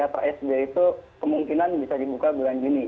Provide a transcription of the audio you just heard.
atau sd itu kemungkinan bisa dibuka bulan juni